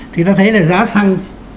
thì ta thấy là giá sang